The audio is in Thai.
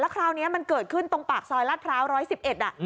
แล้วคราวนี้มันเกิดขึ้นตรงปากซอยราดเภา๑๑๑อะ